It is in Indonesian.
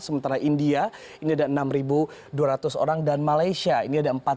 sementara india ini ada enam dua ratus orang dan malaysia ini ada empat